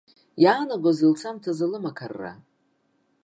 Иаанагозеи лцамҭазы лымақарра?